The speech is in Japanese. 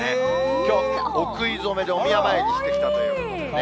きょう、お食い初めでお宮参りしてきたということでね。